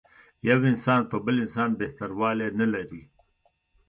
یو انسان په بل انسان بهتر والی نه لري.